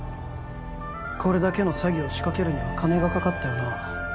これだけの詐欺を仕掛けるには金がかかったよな？